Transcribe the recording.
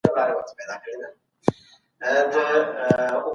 که مسلمانان په رښتیا سره سره یو سي بریا به يې قدمونه وڅکي.